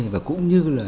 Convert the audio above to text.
và cũng như là